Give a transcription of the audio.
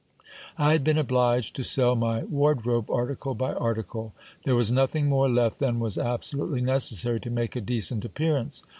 I had been obliged to sell my ward robe article by article. There was nothing more left than was absolutely neces sary to make a decent appearance.